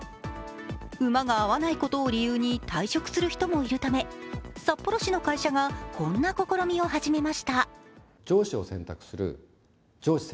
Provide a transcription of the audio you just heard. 馬が合わないことを理由に退職する人もいるため札幌市の会社がこんな試みを始めました。